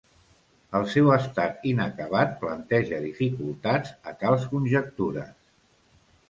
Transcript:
El seu estat inacabat planteja dificultats a tals conjectures.